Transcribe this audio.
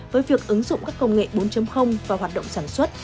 với việc ứng dụng các công nghệ bốn và hoạt động sản xuất